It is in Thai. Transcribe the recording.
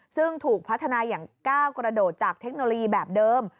ซึ่งถูกพัฒนาอย่างก้าวกระโดดจากเทคโนโลยีแบบเดิม